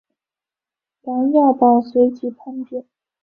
梁耀宝随即叛变。